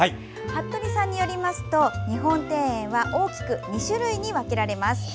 服部さんによりますと日本庭園は大きく２種類に分けられます。